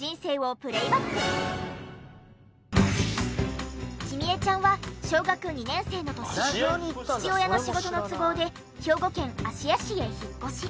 さらに紀美江ちゃんは小学２年生の年父親の仕事の都合で兵庫県芦屋市へ引っ越し。